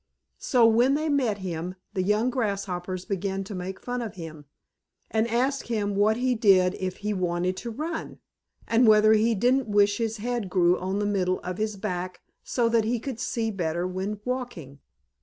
So when they met him the young Grasshoppers began to make fun of him, and asked him what he did if he wanted to run, and whether he didn't wish his head grew on the middle of his back so that he could see better when walking.